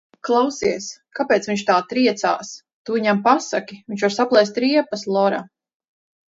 Klausies, kāpēc viņš tā triecās? Tu viņam pasaki, viņš var saplēst riepas, Lora!